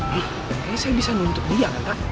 kayanya saya bisa nuntuk dia kan pak